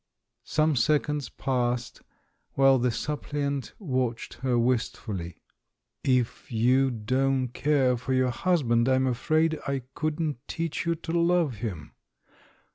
Some seconds passed, while the supphant watched her wistfully. "If you don't care for your husband, I'm afraid I couldn't teach you to love him."